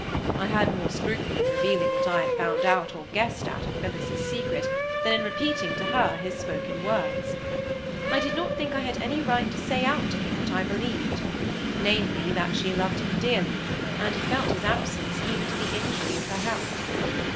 I had more scruple in revealing what I had found out or guessed at of Phillis's secret than in repeating to her his spoken words. I did not think I had any right to say out to him what I believed—namely, that she loved him dearly, and had felt his absence even to the injury of her health.